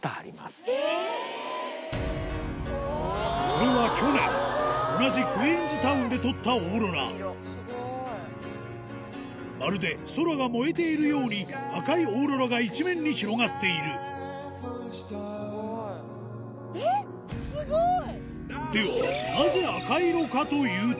これは去年同じクイーンズタウンで撮ったオーロラまるで空が燃えているように赤いオーロラが一面に広がっているえっスゴい！